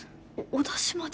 おだしまで。